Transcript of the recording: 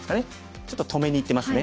ちょっと止めにいってますね。